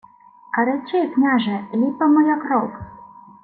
— А речи, княже: ліпа моя кров?